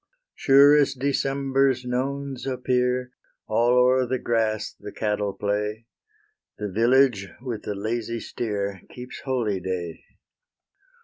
Sure as December's nones appear, All o'er the grass the cattle play; The village, with the lazy steer, Keeps holyday.